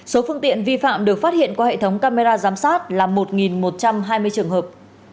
số phương tiện vi phạm được phát hiện qua hệ thống camera giám sát là một một trăm hai mươi trường hợp